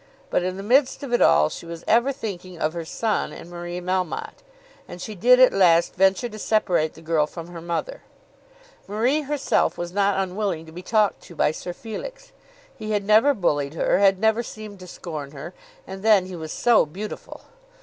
But in the midst of it all she was ever thinking of her son and Marie Melmotte, and she did at last venture to separate the girl from her mother. Marie herself was not unwilling to be talked to by Sir Felix. He had never bullied her, had never seemed to scorn her; and then he was so beautiful!